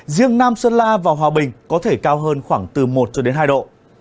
riêng nam sơn la và hòa bình có thể cao hơn khoảng từ một hai độ